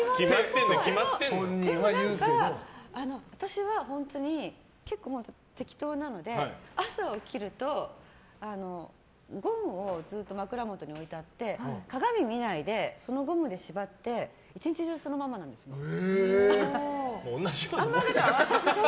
でも、私は本当に結構適当なので朝起きると、ゴムを枕元にずっと置いてあって鏡見ないで、そのゴムで縛って同じようなもんじゃん。